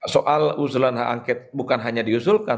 soal usulan hak angket bukan hanya diusulkan